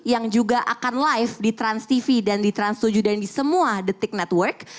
yang juga akan live di transtv dan di trans tujuh dan di semua the tick network